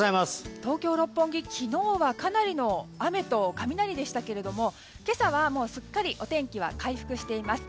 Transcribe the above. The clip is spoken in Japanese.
東京・六本木、昨日はかなりの雨と雷でしたが今朝は、すっかりお天気は回復しています。